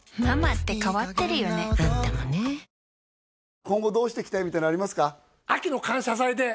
サントリー今後どうしていきたいみたいなのありますか？